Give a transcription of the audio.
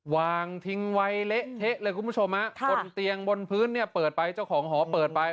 วางทิ้งไว้เละเทะเลยคุณผู้ชมฮะบนเตียงบนพื้นเนี่ยเปิดไปเจ้าของหอเปิดไป